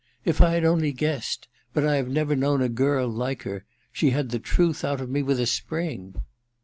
If I had only guessed — but I have never known a girl like her ; she had the truth out of me with a spring.